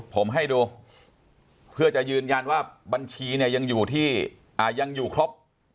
ผมให้ดูเพื่อจะยืนยันว่าบัญชีเนี่ยยังอยู่ที่ยังอยู่ครบ